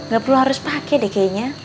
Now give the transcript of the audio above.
gak perlu harus pakai deh kayaknya